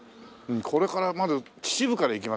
これからまず秩父から行きます？